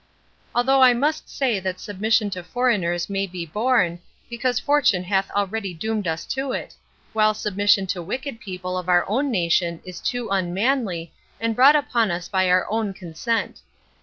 Although I must say that submission to foreigners may be borne, because fortune hath already doomed us to it, while submission to wicked people of our own nation is too unmanly, and brought upon us by our own consent.